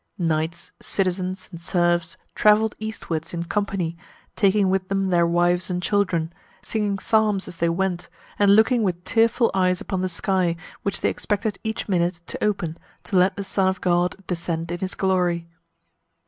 Knights, citizens, and serfs, travelled eastwards in company, taking with them their wives and children, singing psalms as they went, and looking with fearful eyes upon the sky, which they expected each minute to open, to let the Son of God descend in his glory.